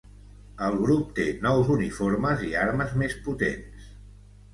El grup té nous uniformes i armes més potents.